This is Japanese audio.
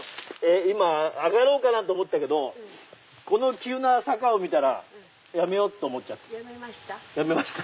今上がろうかなと思ったけどこの急な坂を見たらやめようと思っちゃってやめました。